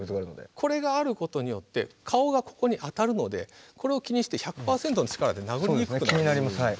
これがあることによって顔がここに当たるのでこれを気にして１００％の力で殴りにくくなって。